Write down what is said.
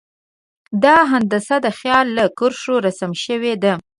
دا هندسه د خیال له کرښو رسم شوې ده.